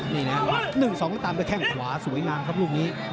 นี่นะครับ๑๒ตามไปแข้งขวาสวยงามครับลูกนี้